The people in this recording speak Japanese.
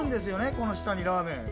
この下にラーメン。